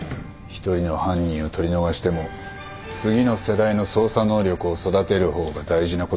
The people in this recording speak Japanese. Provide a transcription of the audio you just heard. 一人の犯人を取り逃しても次の世代の捜査能力を育てる方が大事なこともある。